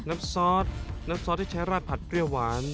ซอสน้ำซอสที่ใช้ราดผัดเปรี้ยวหวาน